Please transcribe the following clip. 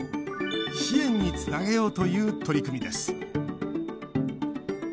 支援につなげようという取り組みです。